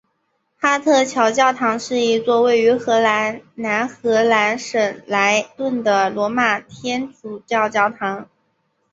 哈特桥教堂是一座位于荷兰南荷兰省莱顿的罗马天主教教堂。